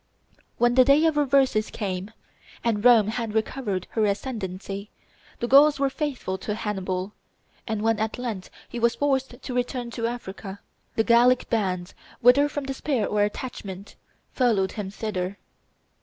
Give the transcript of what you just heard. When the day of reverses came, and Rome had recovered her ascendency, the Gauls were faithful to Hannibal; and when at length he was forced to return to Africa, the Gallic bands, whether from despair or attachment, followed him thither.